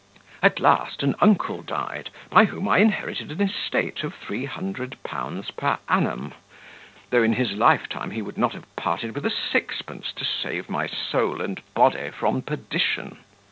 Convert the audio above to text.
"At last an uncle died, by whom I inherited an estate of three hundred pounds per annum, though, in his lifetime, he would not have parted with a sixpence to save my soul and body from perdition.